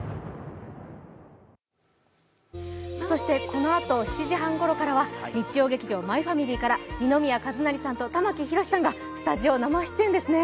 このあと７時半ごろからは、日曜劇場「マイファミリー」から二宮和也さんと玉木宏さんがスタジオ生出演ですね。